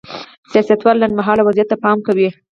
سیاستوال لنډ مهال وضعیت ته پام کوي.